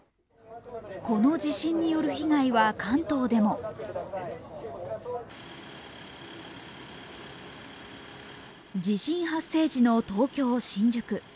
この地震による被害は関東でも地震発生時の東京・新宿。